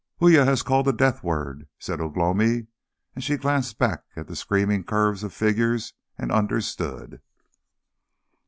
"Uya has called the death word," said Ugh lomi, and she glanced back at the screaming curve of figures, and understood.